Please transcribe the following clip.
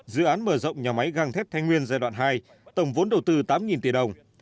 dự án mở rộng nhà máy găng thép thái nguyên giai đoạn hai tổng vốn đầu tư tám tỷ đồng